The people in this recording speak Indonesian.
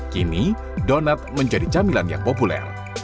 kini donat menjadi camilan yang populer